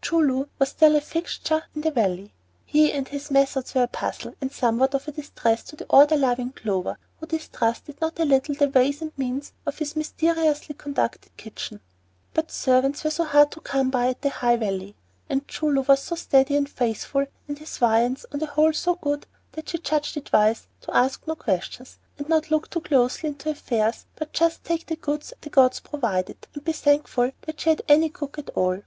Choo Loo was still a fixture in the valley. He and his methods were a puzzle and somewhat of a distress to the order loving Clover, who distrusted not a little the ways and means of his mysteriously conducted kitchen; but servants were so hard to come by at the High Valley, and Choo Loo was so steady and faithful and his viands on the whole so good, that she judged it wise to ask no questions and not look too closely into affairs but just take the goods the gods provided, and be thankful that she had any cook at all.